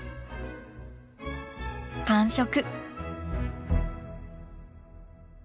完食！